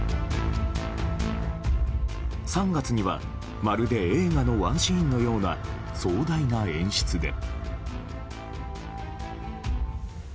３月にはまるで映画のワンシーンのような壮大な演出で。